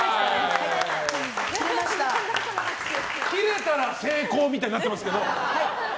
切れたら成功みたいになってますけど。